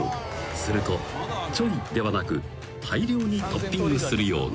［するとちょいではなく大量にトッピングするように］